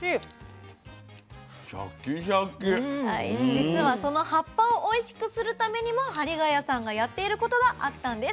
実はその葉っぱをおいしくするためにも張ヶ谷さんがやっていることがあったんです。